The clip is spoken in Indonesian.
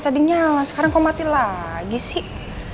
tadi nyala sekarang kau mati lagi sih